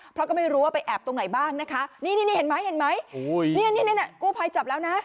เพราะก็ไม่รู้ว่าไปแอบตรงไหนบ้างนะคะนี่เห็นไหมกู้ภัยจับแล้วนะ